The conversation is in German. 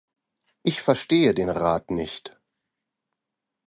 Ich verstehe den Rat nicht.